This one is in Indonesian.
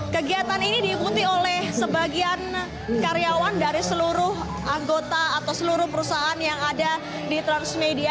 kegiatan ini diikuti oleh sebagian karyawan dari seluruh anggota atau seluruh perusahaan yang ada di transmedia